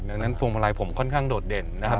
ดังนั้นพวงมาลัยผมค่อนข้างโดดเด่นนะครับ